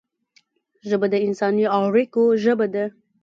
ژبه د انساني اړیکو ژبه ده